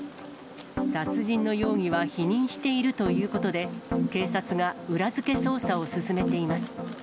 殺人の容疑は否認しているということで、警察が裏付け捜査を進めています。